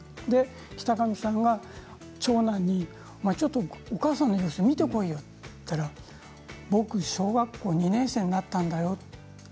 北上さんが長男にお母さんの様子を見てこいよと言ったら僕、小学校２年生になったんだよって。